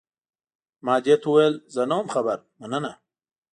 ما دې ته وویل، زه نه وم خبر، مننه.